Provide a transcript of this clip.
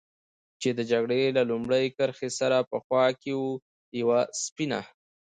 چې د جګړې له لومړۍ کرښې سره په خوا کې و، یوه سپینه.